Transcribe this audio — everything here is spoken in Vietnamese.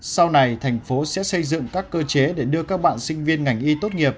sau này thành phố sẽ xây dựng các cơ chế để đưa các bạn sinh viên ngành y tốt nghiệp